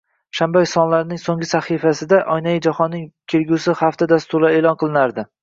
Shanba sonlarining soʻnggi sahifasida oynai jahonning kelgusi haftalik dasturlari eʼlon qilinardi.